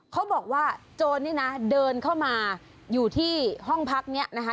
เขาบอกว่าโจรนี่นะเดินเข้ามาอยู่ที่ห้องพักนี้นะคะ